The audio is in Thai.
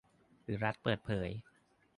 หรือรัฐเปิดเผย